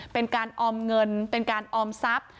เป็นการออมเงินเป็นการออมทรัพย์